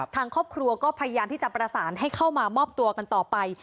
ทางครอบครัวก็พยายามที่จะประสานให้เข้ามามอบตัวกันต่อไป